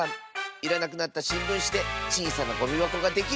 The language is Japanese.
いらなくなったしんぶんしでちいさなゴミばこができる！